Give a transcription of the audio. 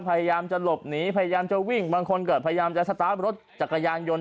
พยายามจะหลบหนีพยายามจะวิ่งบางคนเกิดพยายามจะสตาร์ฟรถจักรยานยนต์